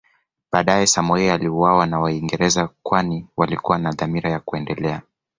Baadae Samoei aliuawa na Waingereza kwani walikuwa na dhamira ya kuendelea